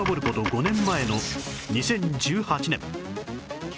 ５年前の２０１８年